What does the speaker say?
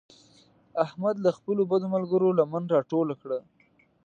احمد له خپلو بدو ملګرو لمن راټوله کړه.